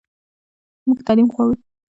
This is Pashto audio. موږ تعلیم غواړو